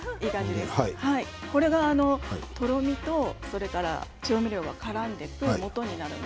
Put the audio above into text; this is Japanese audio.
これがとろみと調味料がからんでくるもとになります。